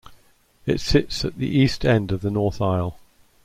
It sits at the east end of the north aisle.